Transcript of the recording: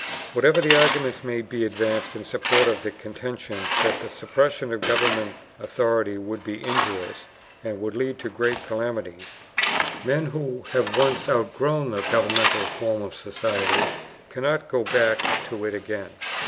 Whatever arguments may be advanced in support of the contention that the suppression of government authority would be injurious and would lead to great calamities, men who have once outgrown the governmental form of society cannot go back to it again.